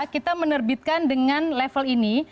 kita menerbitkan dengan level ini